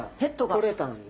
取れたんで。